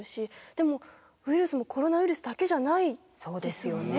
でもウイルスもコロナウイルスだけじゃないですよね。